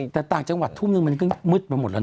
แต่ต่างจังหวัดทุ่มนึงมันก็มืดไปหมดแล้วนะ